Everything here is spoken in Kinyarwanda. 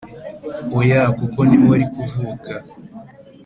oya kuko ntiwari kuvuka